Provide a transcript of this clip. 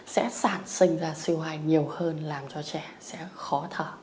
sẽ sản sinh ra siêu hài nhiều hơn làm cho trẻ sẽ khó thở